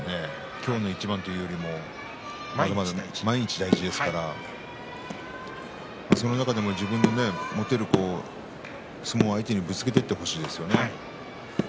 今日の一番というよりは毎日大事ですからその中で自分が持っている相撲を相手にぶつけていってほしいですよね。